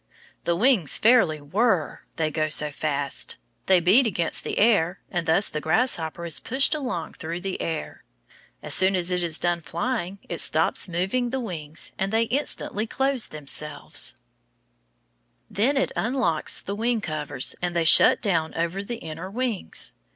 The wings fairly whirr, they go so fast. They beat against the air, and thus the grasshopper is pushed along through the air. As soon as it is done flying it stops moving the wings, and they instantly close of themselves. Then it unlocks the wing covers and they shut down over the inner wings.